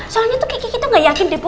soalnya tuh kikik itu gak yakin deh bu